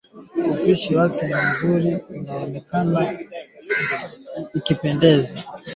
Upishi wa mvuke husababisha ladha nzuri ya viazi na kutunza virutubisho